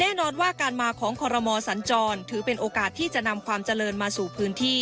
แน่นอนว่าการมาของคอรมอสัญจรถือเป็นโอกาสที่จะนำความเจริญมาสู่พื้นที่